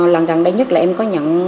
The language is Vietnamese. lần gần đây nhất là em có nhận